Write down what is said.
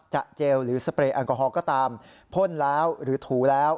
เจลหรือสเปรย์แอลกอฮอลก็ตามพ่นแล้วหรือถูแล้ว